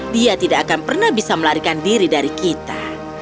dia tidak akan pernah bisa melarikan diri dari kita